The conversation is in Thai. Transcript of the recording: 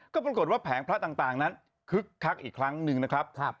ก็ปรากฏว่าแผงพระต่างนั้นคึกคักอีกครั้งหนึ่งนะครับ